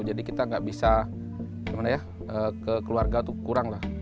jadi kita nggak bisa gimana ya ke keluarga tuh kurang lah